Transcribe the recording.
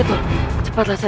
kepada roliming b ascensd white